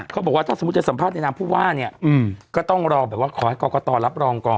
เขาบอกว่าถ้าสมมุติจะสัมภาษณ์ในนามผู้ว่าเนี่ยก็ต้องรอแบบว่าขอให้กรกตรับรองก่อน